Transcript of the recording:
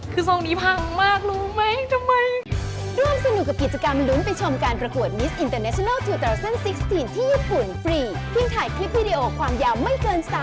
คือทรงนี้พังมากรู้มั้ยทำไม